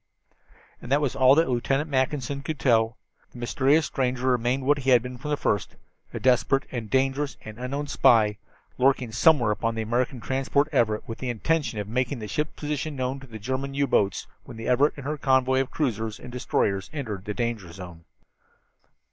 And that was all that Lieutenant Mackinson could tell. The mysterious stranger remained what he had been from the first a desperate and dangerous and unknown spy, lurking somewhere upon the American transport Everett with the evident intention of making the ship's position known to German U boats when the Everett and her convoy of cruisers and destroyers entered the danger zone.